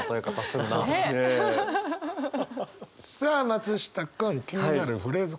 さあ松下君気になるフレーズ